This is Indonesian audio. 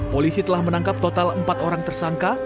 polisi telah menangkap total empat orang tersangka